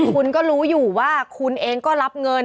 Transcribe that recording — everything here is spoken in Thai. คุณก็รู้อยู่ว่าคุณเองก็รับเงิน